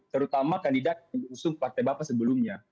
terutama kandidat yang diusung partai bapak sebelumnya